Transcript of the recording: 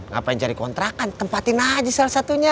ngapain cari kontrakan tempatin aja salah satunya